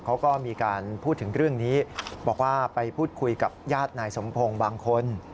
เขาก็มีการพูดถึงเรื่องนี้บอกว่าไปพูดคุยกับญาตินายสมพงศ์บางคน